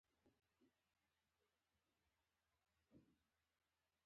د نظار شورا څو ځله د پاکستاني استخباراتو لپاره هم کرایه شوې.